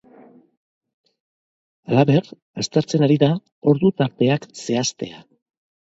Halaber, aztertzen ari da ordu-tarteak zehaztea.